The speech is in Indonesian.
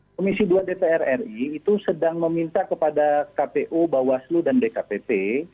komisi dua dpr ri itu sedang meminta kepada kpu bawaslu dan dkpp